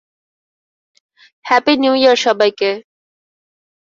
Happy new year সবাইকে!